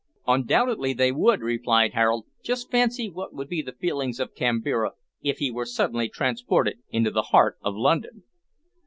"Undoubtedly they would," replied Harold; "just fancy what would be the feelings of Kambira if he were suddenly transported into the heart of London."